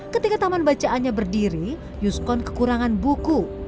ketika taman bacaannya berdiri yuskon kekurangan buku